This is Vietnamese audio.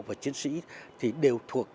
và chiến sĩ thì đều thuộc